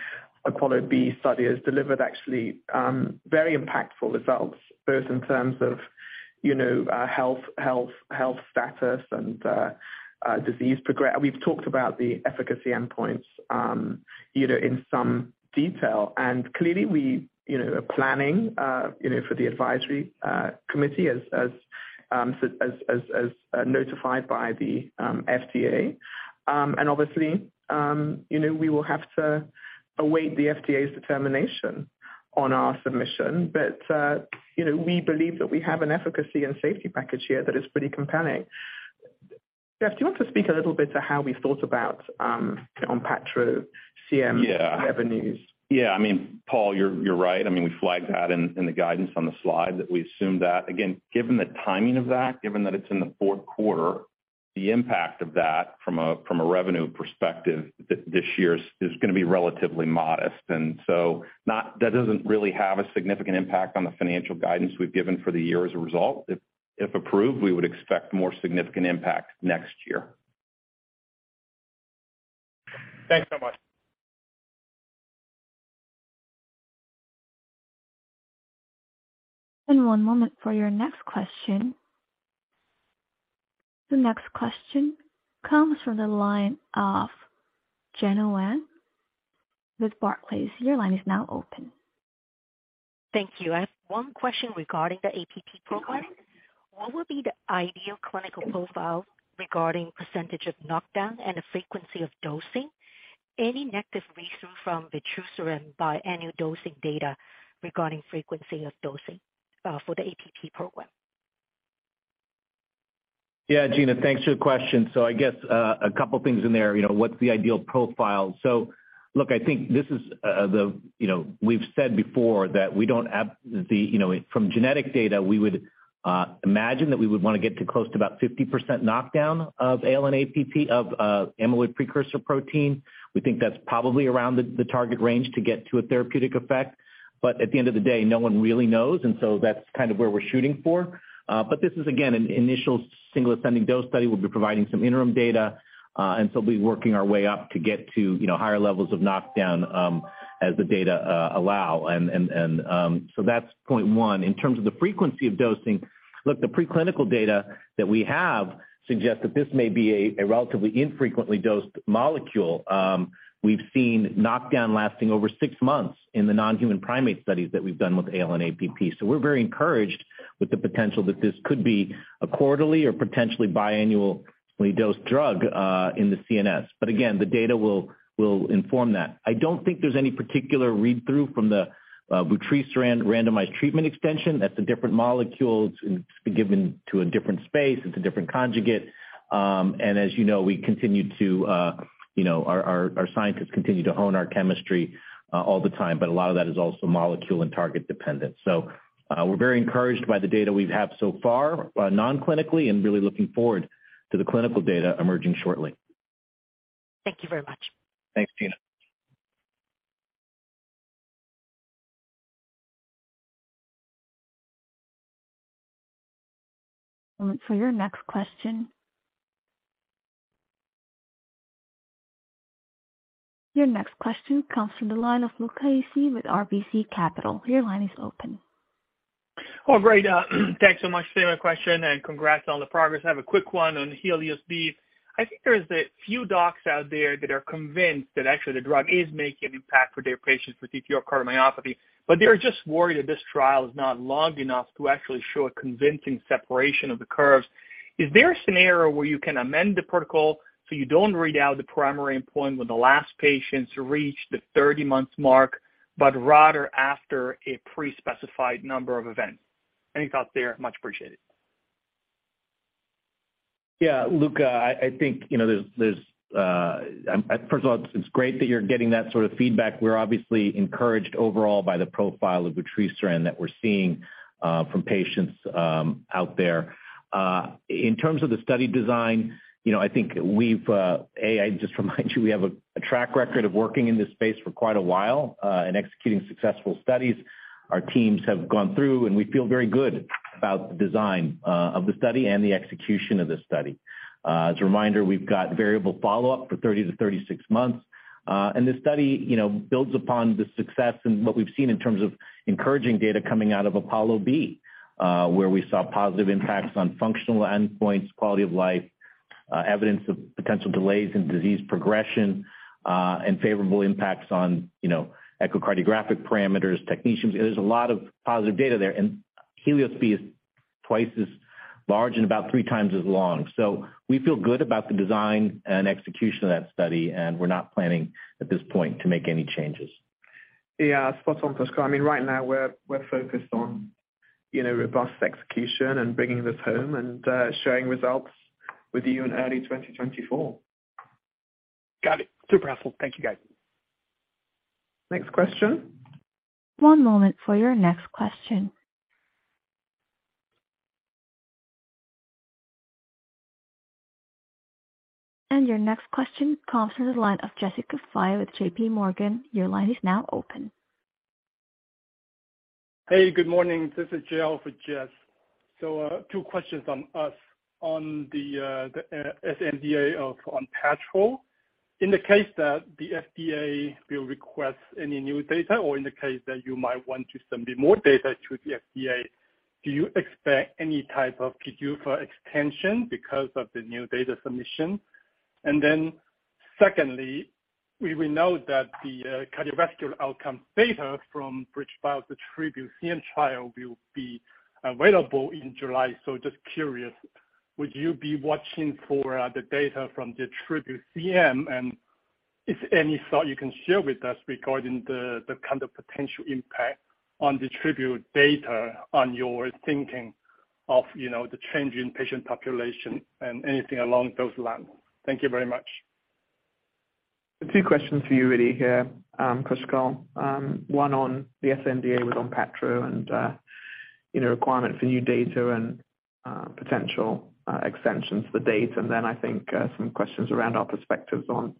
APOLLO-B study has delivered actually, very impactful results, both in terms of, you know, health status and disease progress. We've talked about the efficacy endpoints, you know, in some detail. Clearly we, you know, are planning, you know, for the advisory committee as notified by the FDA. Obviously, you know, we will have to await the FDA's determination on our submission, but, you know, we believe that we have an efficacy and safety package here that is pretty compelling. Jeff, do you want to speak a little bit to how we thought about ONPATTRO CM revenues? Yeah. I mean, Paul, you're right. I mean, we flagged that in the guidance on the slide that we assumed that. Again, given the timing of that, given that it's in the fourth quarter. The impact of that from a revenue perspective this year is gonna be relatively modest. That doesn't really have a significant impact on the financial guidance we've given for the year as a result. If approved, we would expect more significant impact next year. Thanks so much. One moment for your next question. The next question comes from the line of Gena Wang with Barclays. Your line is now open. Thank you. I have one question regarding the APP program. What will be the ideal clinical profile regarding percentage of knockdown and the frequency of dosing? Any negative readthrough from vutrisiran biannual dosing data regarding frequency of dosing for the APP program? Yeah, Gena, thanks for the question. I guess a couple things in there, you know, what's the ideal profile? Look, I think this is the, you know, we've said before that we don't the, you know, from genetic data, we would imagine that we would wanna get to close to about 50% knockdown of ALN-APP of amyloid precursor protein. We think that's probably around the target range to get to a therapeutic effect. At the end of the day, no one really knows, and so that's kind of where we're shooting for. This is, again, an initial single ascending dose study. We'll be providing some interim data, and so we'll be working our way up to get to, you know, higher levels of knockdown as the data allow. That's point one. In terms of the frequency of dosing, look, the preclinical data that we have suggest that this may be a relatively infrequently dosed molecule. We've seen knockdown lasting over six months in the non-human primate studies that we've done with ALN-APP. We're very encouraged with the potential that this could be a quarterly or potentially biannually dosed drug in the CNS. Again, the data will inform that. I don't think there's any particular read-through from the vutrisiran randomized treatment extension. That's a different molecule. It's been given to a different space. It's a different conjugate. As you know, we continue to, you know, our scientists continue to hone our chemistry all the time, but a lot of that is also molecule and target dependent. We're very encouraged by the data we have so far, non-clinically and really looking forward to the clinical data emerging shortly. Thank you very much. Thanks, Gena. One moment for your next question. Your next question comes from the line of Luca Issi with RBC Capital. Your line is open. Great. Thanks so much. Same question. Congrats on the progress. I have a quick one on HELIOS-B. I think there is a few docs out there that are convinced that actually the drug is making an impact for their patients with TTR cardiomyopathy. They are just worried that this trial is not long enough to actually show a convincing separation of the curves. Is there a scenario where you can amend the protocol so you don't read out the primary endpoint when the last patients reach the 30-month mark, but rather after a pre-specified number of events? Any thoughts there? Much appreciated. Yeah, Luca, I think, you know, there's first of all, it's great that you're getting that sort of feedback. We're obviously encouraged overall by the profile of vutrisiran that we're seeing from patients out there. In terms of the study design, you know, I think we've A, I just remind you, we have a track record of working in this space for quite a while and executing successful studies. Our teams have gone through. We feel very good about the design of the study and the execution of the study. As a reminder, we've got variable follow-up for 30 to 36 months. This study, you know, builds upon the success and what we've seen in terms of encouraging data coming out of APOLLO-B, where we saw positive impacts on functional endpoints, quality of life, evidence of potential delays in disease progression, and favorable impacts on, you know, echocardiographic parameters, technicians. There's a lot of positive data there, and HELIOS-B is twice as large and about three times as long. We feel good about the design and execution of that study, and we're not planning at this point to make any changes. Spot on, Pushkal. I mean, right now we're focused on, you know, robust execution and bringing this home and sharing results with you in early 2024. Got it. Super helpful. Thank you, guys. Next question. One moment for your next question. Your next question comes from the line of Jessica Fye with JPMorgan. Your line is now open. Hey, good morning. This is J.L. for Jess. two questions on us on the sNDA of ONPATTRO. In the case that the FDA will request any new data or in the case that you might want to send me more data to the FDA, do you expect any type of PDUFA extension because of the new data submission? Secondly, we know that the cardiovascular outcome data from BridgeBio's ATTRibute-CM trial will be available in July. Just curious, would you be watching for the data from the ATTRibute-CM? If any thought you can share with us regarding the kind of potential impact on ATTRibute-CM data on your thinking of, you know, the change in patient population and anything along those lines. Thank you very much. Two questions for you really here, Pushkal. One on the sNDA with ONPATTRO and, you know, requirement for new data and potential extensions for dates. I think some questions around our perspectives on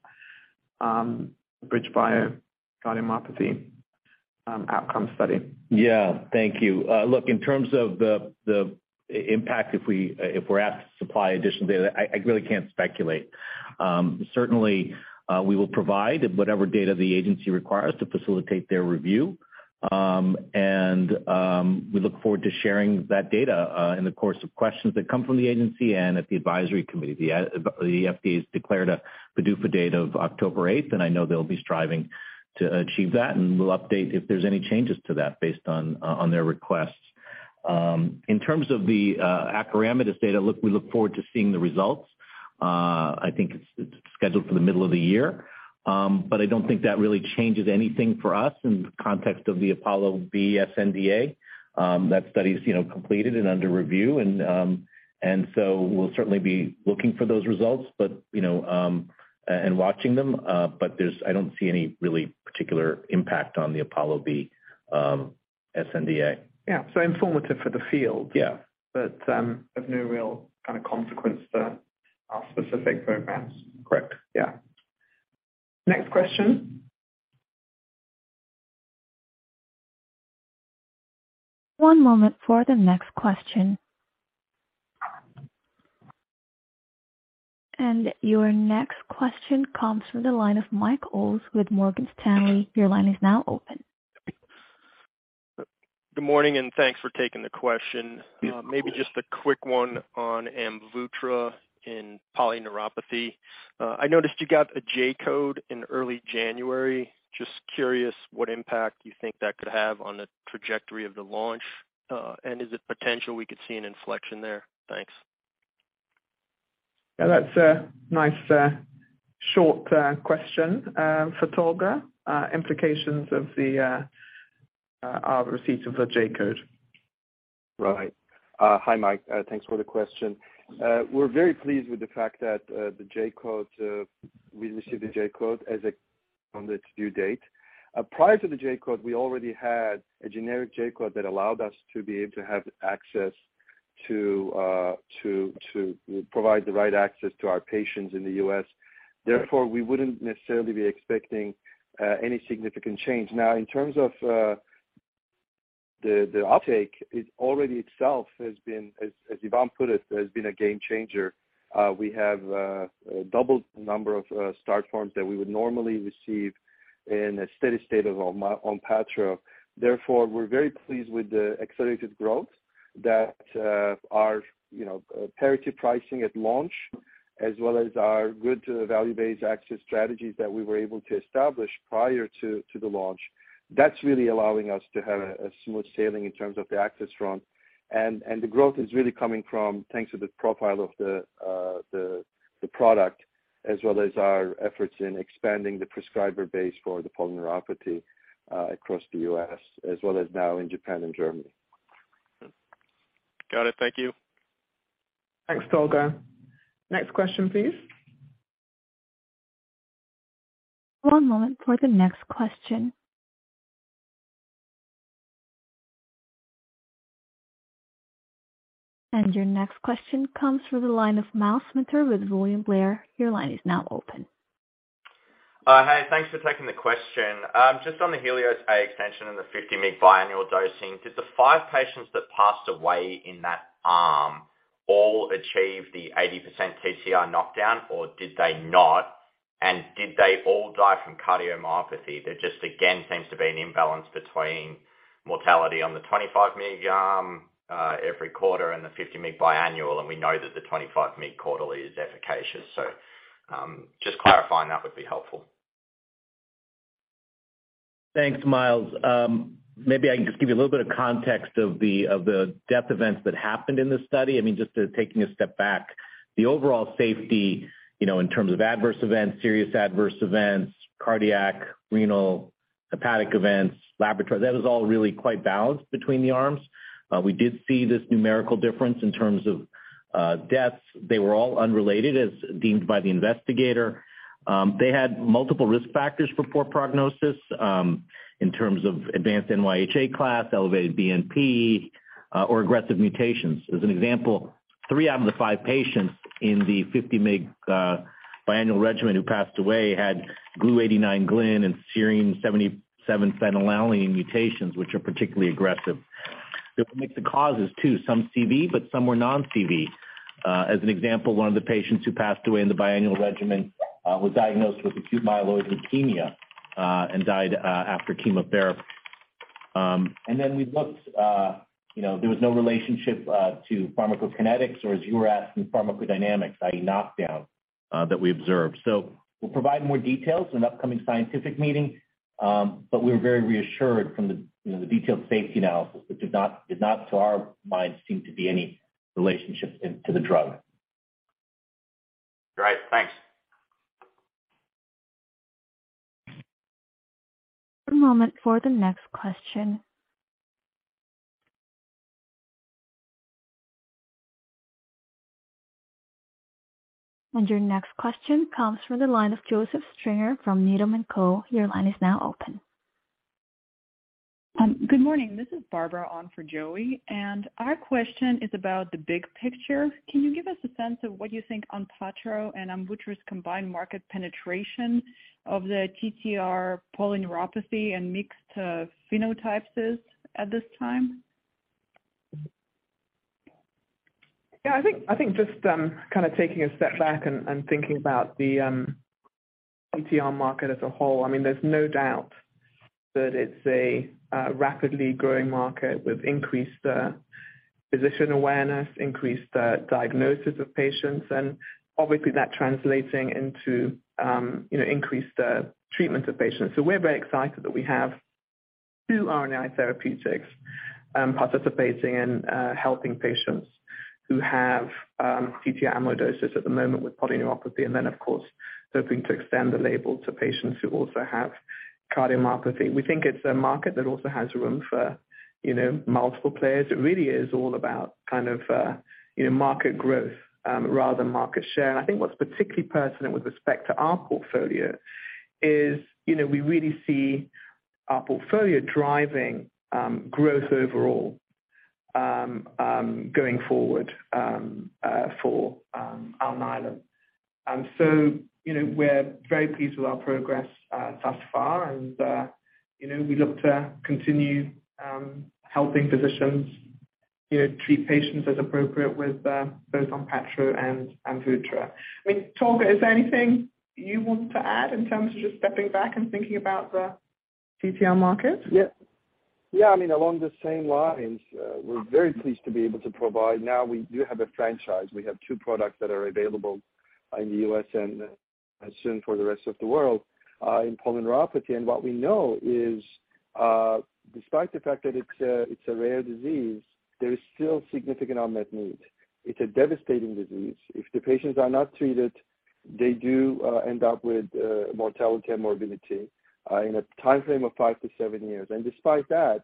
BridgeBio cardiomyopathy outcome study. Yeah. Thank you. Look, in terms of the impact, if we're asked to supply additional data, I really can't speculate. Certainly, we will provide whatever data the agency requires to facilitate their review. We look forward to sharing that data in the course of questions that come from the agency and at the advisory committee. The FDA's declared a PDUFA date of October 8th, I know they'll be striving to achieve that, and we'll update if there's any changes to that based on their requests. In terms of the acoramidis data, look, we look forward to seeing the results. I think it's scheduled for the middle of the year. I don't think that really changes anything for us in the context of the APOLLO-B sNDA. That study is, you know, completed and under review and, we'll certainly be looking for those results. You know, and watching them, but there's, I don't see any really particular impact on the APOLLO-B sNDA. Yeah. Informative for the field. Yeah. Of no real kind of consequence to our specific programs. Correct. Yeah. Next question. One moment for the next question. Your next question comes from the line of Mike Ulz with Morgan Stanley. Your line is now open. Good morning, and thanks for taking the question. Yeah. Maybe just a quick one on AMVUTTRA in polyneuropathy. I noticed you got a J-code in early January. Just curious what impact you think that could have on the trajectory of the launch. Is it potential we could see an inflection there? Thanks. Yeah, that's a nice, short question for Tolga. Implications of our receipt of the J-code? Right. Hi, Mike. Thanks for the question. We're very pleased with the fact that the J-code, we received the J-code on its due date. Prior to the J-code, we already had a generic J-code that allowed us to be able to have access to provide the right access to our patients in the U.S. We wouldn't necessarily be expecting any significant change. In terms of the uptake, it already itself has been, as Yvonne put it, has been a game changer. We have doubled the number of start forms that we would normally receive in a steady-state of ONPATTRO. We're very pleased with the accelerated growth that our, you know, parity pricing at launch, as well as our good value-based access strategies that we were able to establish prior to the launch. That's really allowing us to have a smooth sailing in terms of the access front. The growth is really coming from thanks to the profile of the product as well as our efforts in expanding the prescriber base for the polyneuropathy across the U.S. as well as now in Japan and Germany. Got it. Thank you. Thanks, Tolga. Next question, please. One moment for the next question. Your next question comes from the line of Myles Minter with William Blair. Your line is now open. Hey, thanks for taking the question. Just on the HELIOS-A extension and the 50 mg biannual dosing, did the five patients that passed away in that arm all achieve the 80% TTR knockdown, or did they not? Did they all die from cardiomyopathy? There just again seems to be an imbalance between mortality on the 25 mg arm, every quarter and the 50 mg biannual, and we know that the 25 mg quarterly is efficacious. Just clarifying that would be helpful. Thanks, Myles. Maybe I can just give you a little bit of context of the, of the death events that happened in this study. I mean, just taking a step back, the overall safety, you know, in terms of adverse events, serious adverse events, cardiac, renal, hepatic events, laboratory, that is all really quite balanced between the arms. We did see this numerical difference in terms of deaths. They were all unrelated as deemed by the investigator. They had multiple risk factors for poor prognosis, in terms of advanced NYHA class, elevated BNP, or aggressive mutations. As an example, three out of the five patients in the 50 mg biannual regimen who passed away had Glu89Gln and Ser77Phe mutations, which are particularly aggressive. Different mix of causes too, some CV, but some were non-CV. As an example, one of the patients who passed away in the biannual regimen, was diagnosed with acute myeloid leukemia, and died after chemotherapy. Then we looked, you know, there was no relationship to pharmacokinetics or as you were asking pharmacodynamics, i.e. knockdown that we observed. We'll provide more details in an upcoming scientific meeting, but we're very reassured from the, you know, the detailed safety analysis, which did not, to our minds, seem to be any relationship to the drug. Great. Thanks. One moment for the next question. Your next question comes from the line of Joseph Stringer from Needham & Company. Your line is now open. Good morning. This is Barbara on for Joey. Our question is about the big picture. Can you give us a sense of what you think ONPATTRO and AMVUTTRA's combined market penetration of the TTR polyneuropathy and mixed phenotypes is at this time? I think, just kind of taking a step back and thinking about the TTR market as a whole. I mean, there's no doubt that it's a rapidly growing market with increased physician awareness, increased diagnosis of patients, and obviously that translating into, you know, increased treatment of patients. We're very excited that we have two RNAi therapeutics participating in helping patients who have TTR amyloidosis at the moment with polyneuropathy, and then of course, hoping to extend the label to patients who also have cardiomyopathy. We think it's a market that also has room for, you know, multiple players. It really is all about kind of, you know, market growth rather than market share. I think what's particularly pertinent with respect to our portfolio is, you know, we really see our portfolio driving growth overall going forward for Alnylam. You know, we're very pleased with our progress thus far. You know, we look to continue helping physicians, you know, treat patients as appropriate with both ONPATTRO and AMVUTTRA. I mean, Tolga, is there anything you want to add in terms of just stepping back and thinking about the TTR market? Yeah. Yeah. I mean, along the same lines, we're very pleased to be able to provide. Now we do have a franchise. We have two products that are available in the U.S. and soon for the rest of the world, in polyneuropathy. What we know is, despite the fact that it's a, it's a rare disease, there is still significant unmet need. It's a devastating disease. If the patients are not treated, they do end up with mortality and morbidity in a timeframe of five to seven years. Despite that,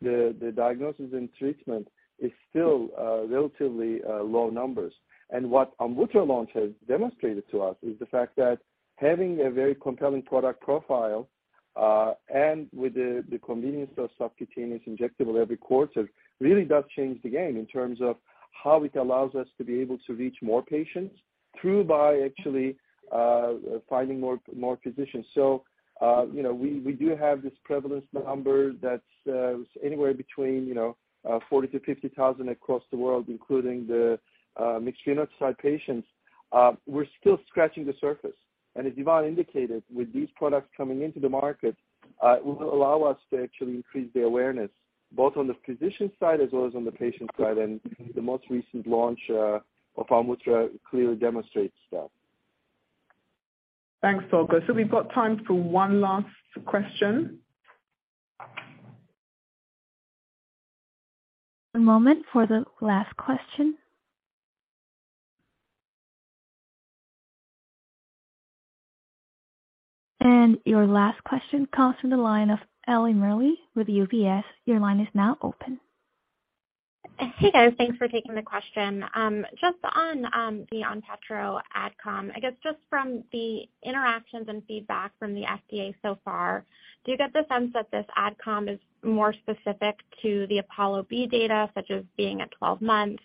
the diagnosis and treatment is still relatively low numbers. What AMVUTTRA launch has demonstrated to us is the fact that having a very compelling product profile, and with the convenience of subcutaneous injectable every quarter, really does change the game in terms of how it allows us to be able to reach more patients through by actually finding more physicians. You know, we do have this prevalence number that's anywhere between 40,000-50,000 across the world, including the mixed phenotype patients. We're still scratching the surface. As Yvonne indicated, with these products coming into the market, will allow us to actually increase the awareness both on the physician side as well as on the patient side. The most recent launch of AMVUTTRA clearly demonstrates that. Thanks, Tolga. We've got time for one last question. One moment for the last question. Your last question comes from the line of Ellie Merle with UBS. Your line is now open. Hey, guys. Thanks for taking the question. Just on the ONPATTRO AdCom, I guess just from the interactions and feedback from the FDA so far, do you get the sense that this AdCom is more specific to the APOLLO-B data, such as being at 12 months?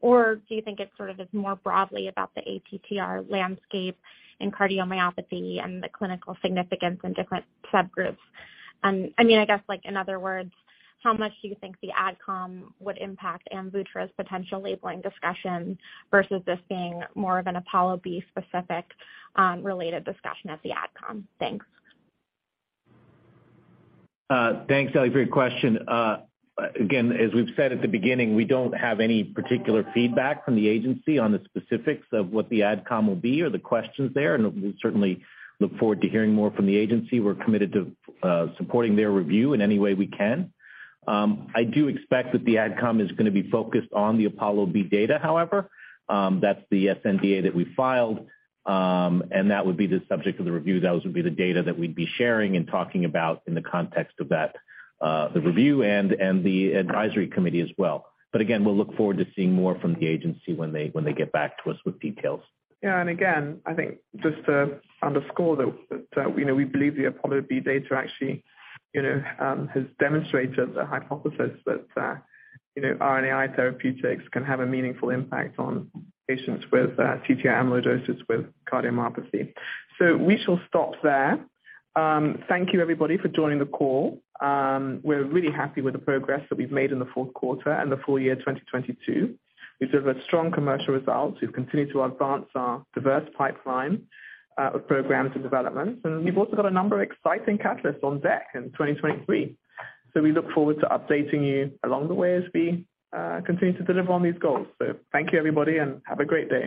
Do you think it sort of is more broadly about the ATTR landscape in cardiomyopathy and the clinical significance in different subgroups? I mean, I guess, like, in other words, how much do you think the AdCom would impact AMVUTTRA's potential labeling discussion versus this being more of an APOLLO-B specific, related discussion at the AdCom? Thanks. Thanks, Ellie, for your question. Again, as we've said at the beginning, we don't have any particular feedback from the agency on the specifics of what the AdCom will be or the questions there. We certainly look forward to hearing more from the agency. We're committed to supporting their review in any way we can. I do expect that the AdCom is gonna be focused on the APOLLO-B data, however. That's the sNDA that we filed, and that would be the subject of the review. Those would be the data that we'd be sharing and talking about in the context of that, the review and the advisory committee as well. Again, we'll look forward to seeing more from the agency when they, when they get back to us with details. Yeah. Again, I think just to underscore that, you know, we believe the APOLLO-B data actually, you know, has demonstrated the hypothesis that, you know, RNAi therapeutics can have a meaningful impact on patients with TTR amyloidosis with cardiomyopathy. We shall stop there. Thank you everybody for joining the call. We're really happy with the progress that we've made in the fourth quarter and the full year 2022. We've delivered strong commercial results. We've continued to advance our diverse pipeline of programs and development. We've also got a number of exciting catalysts on deck in 2023. We look forward to updating you along the way as we continue to deliver on these goals. Thank you, everybody, and have a great day.